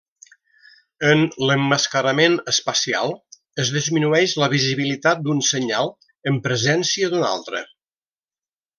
En l'emmascarament espacial es disminueix la visibilitat d'un senyal en presència d'un altre.